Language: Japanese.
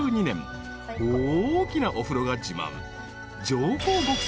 ［大きなお風呂が自慢］